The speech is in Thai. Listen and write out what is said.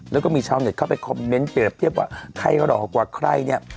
แล้วก็มีชาวเน็ตเข้าไปคอมเมนต์เปรียบเทียบว่าใครหล่อกว่าใครเนี่ย